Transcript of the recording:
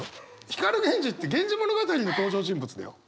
光源氏って「源氏物語」の登場人物だよ。